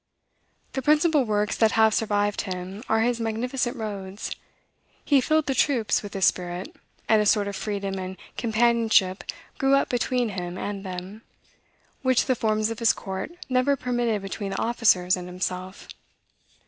The principal works that have survived him are his magnificent roads. He filled the troops with his spirit, and a sort of freedom and companionship grew up between him and them, which the forms of his court never permitted between the officers and himself.